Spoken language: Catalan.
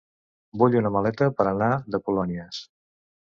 Vull una maleta per anar de colònies.